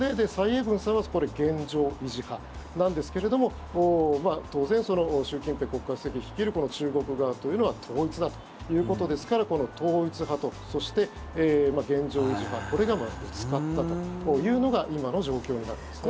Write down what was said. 蔡英文さんは現状維持派なんですけれども当然、習近平国家主席率いる中国側というのは統一だということですから統一派と、そして現状維持派これがぶつかったというのが今の状況になってますね。